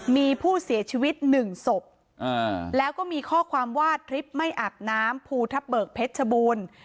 มีผู้เสียชีวิตหนึ่งศพแล้วก็มีข้อความว่าทริปไม่อาบน้ำภูทับเบิกเพชรชบูรณ์